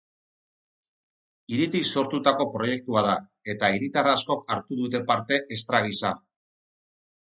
Hiritik sortutako proiektua da, eta hiritar askok hartu dute parte estra gisa.